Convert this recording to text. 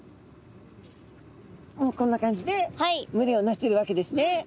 もうこんな感じで群れをなしてるわけですね。